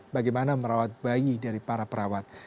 bagaimana merawat bayi dari para perawat